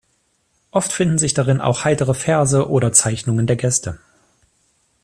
Oft finden sich darin auch heitere Verse oder Zeichnungen der Gäste.